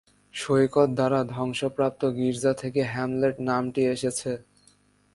সৈকত দ্বারা ধ্বংসপ্রাপ্ত গির্জা থেকে হ্যামলেট নামটি এসেছে।